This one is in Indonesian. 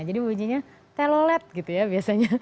jadi bunyinya telolet gitu ya biasanya